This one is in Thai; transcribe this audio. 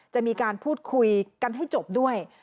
จะมีการพูดคุยกันให้จบด้วย